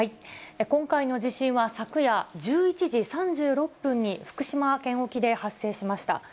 今回の地震は、昨夜１１時３６分に福島県沖で発生しました。